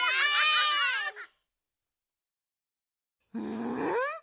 うん？